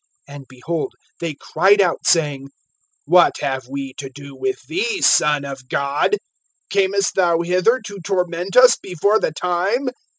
(29)And, behold, they cried out, saying: What have we to do with thee, Son of God? Camest thou hither to torment us before the time?